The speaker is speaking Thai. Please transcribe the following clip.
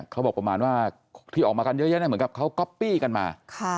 เขาบอกประมาณว่าที่ออกมากันเยอะแยะเหมือนกับเขาก๊อปปี้กันมา